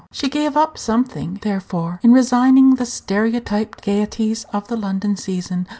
She gave up something, therefore, in resigning the stereotyped gayeties of the London season.